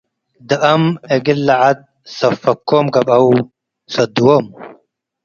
ደአም እግል ለዐድ ሰብ ፈኮም ገብአው ሰድዎም ።